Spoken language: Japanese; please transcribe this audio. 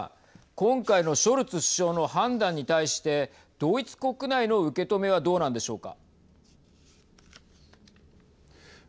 今回のショルツ首相の判断に対してドイツ国内の受け止めはどうなんでしょうか。